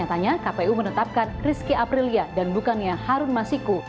ternyata kpu menetapkan rizki aprilia dan bukannya harun masiku